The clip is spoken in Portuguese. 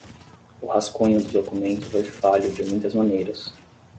O rascunho do documento foi falho de muitas maneiras.